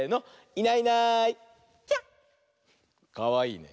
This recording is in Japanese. かわいいね。